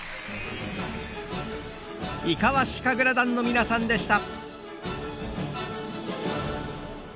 伊賀和志神楽団の皆さんでした。